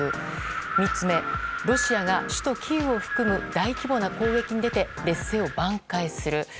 ３つ目ロシアが首都キーウを含む大規模な攻撃に出て劣勢を挽回する。